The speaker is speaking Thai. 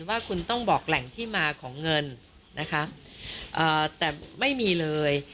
ว่าคุณต้องบอกแหล่งที่มาของเงินนะคะแต่ไม่มีเลย